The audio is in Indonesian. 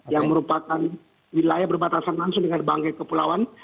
yang merupakan wilayah berbatasan langsung dengan banggai kepulauan